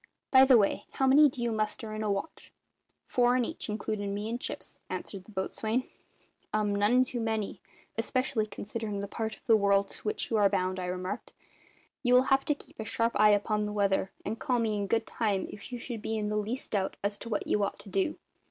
By the way, how many do you muster in a watch?" "Four in each, includin' me and Chips," answered the boatswain. "Um! none too many, especially considering the part of the world to which you are bound," I remarked. "You will have to keep a sharp eye upon the weather, and call me in good time if you should be in the least doubt as to what you ought to do.